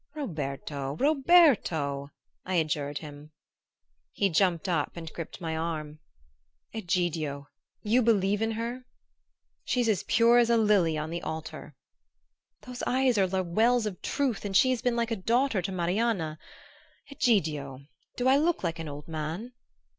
"Roberto! Roberto!" I adjured him. He jumped up and gripped my arm. "Egidio! You believe in her?" "She's as pure as a lily on the altar!" "Those eyes are wells of truth and she has been like a daughter to Marianna. Egidio! do I look like an old man?"